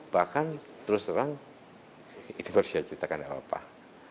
bahkan terus terang ini baru saya ceritakan ya pak